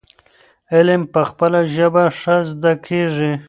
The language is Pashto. علم په خپله ژبه ښه زده کيږي.